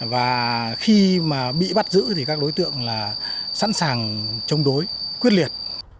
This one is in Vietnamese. và khi bị bắt giữ thì các đối tượng sẵn sàng chống đối quyết liệt